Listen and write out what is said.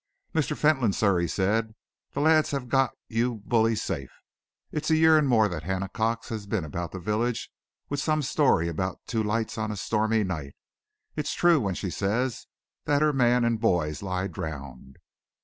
"Mr. Fentolin, sir," he said, "the lads have got your bully safe. It's a year and more that Hannah Cox has been about the village with some story about two lights on a stormy night. It's true what she says that her man and boys lie drowned.